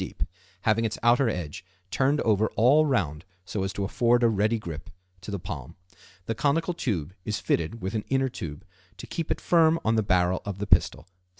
deep, having its outer edge turned over all round so as to afford a ready grip to the palm. The conical tube is fitted with an inner tube to keep it firm on the barrel of the pistol.